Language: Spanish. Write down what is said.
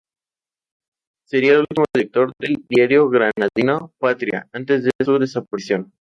Sería el último director del diario granadino "Patria", antes de su desaparición.